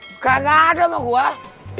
nggak ada sama gue